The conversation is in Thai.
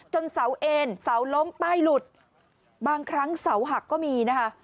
เสาเอ็นเสาล้มป้ายหลุดบางครั้งเสาหักก็มีนะคะ